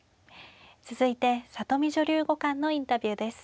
続いて里見女流五冠のインタビューです。